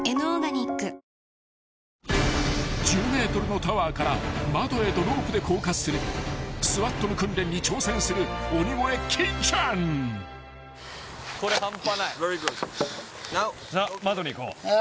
［１０ｍのタワーから窓へとロープで降下するＳＷＡＴの訓練に挑戦する鬼越金ちゃん］あ！